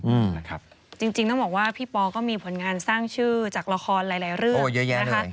จริงต้องบอกว่าพี่ปอล์ก็มีผลงานสร้างชื่อจากละครหลายเรื่อง